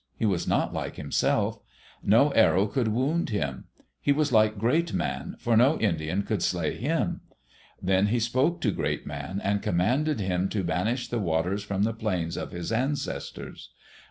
He was not like himself. No arrow could wound him. He was like Great Man for no Indian could slay him. Then he spoke to Great Man and commanded him to banish the waters from the plains of his ancestors.